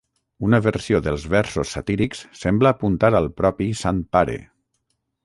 Una versió del versos satírics sembla apuntar al propi Sant Pare.